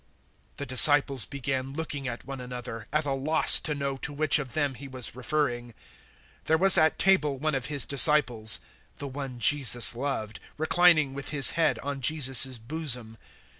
013:022 The disciples began looking at one another, at a loss to know to which of them He was referring. 013:023 There was at table one of His disciples the one Jesus loved reclining with his head on Jesus's bosom.